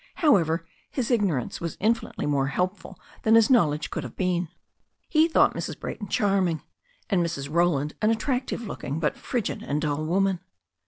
However, his igno rance was infinitely more helpful than his knowledge could have been. He thought Mrs. Brayton charming, and Mrs. Roland an attractive looking, but frigid and dull woman.